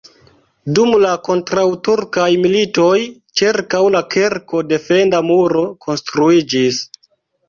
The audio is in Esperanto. Dum la kontraŭturkaj militoj ĉirkaŭ la kirko defenda muro konstruiĝis.